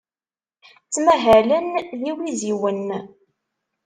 Ttmahalen d iwiziwen.